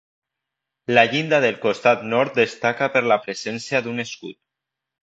La llinda del costat nord destaca per la presència d'un escut.